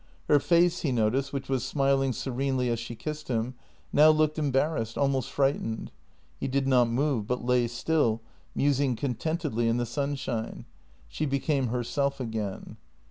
Her face, he noticed, which was smiling serenely as she kissed him, now looked embarrassed, almost frightened. He did not move, but lay still, musing contentedly in the sunshine. She became herself again.